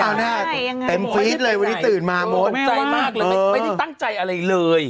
อ่าใช่มันตัวเองตื่นมาไม่ได้ตั้งใจอะไรเลย